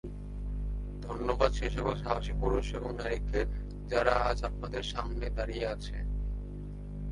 ধন্যবাদ সেসকল সাহসী পুরুষ এবং নারীকে, যারা আজ আপনাদের সামনে দাঁড়িয়ে আছে।